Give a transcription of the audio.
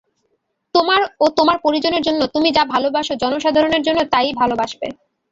তোমার ও তোমার পরিজনের জন্য তুমি যা ভালবাস, জনসাধারণের জন্য তা-ই ভালবাসবে।